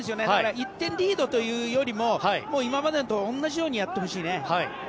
だから、１点リードというよりも今までと同じようにやってほしいね。